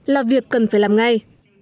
là việc cần phải làm ngay